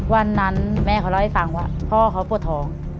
วันนั้นแม่เขาเล่าให้ฟังว่าพ่อเขาปวดท้อง